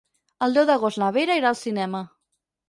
El deu d'agost na Vera irà al cinema.